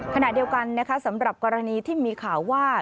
ขณะเดียวกันนะคะสำหรับกรณีที่มีข่าวว่า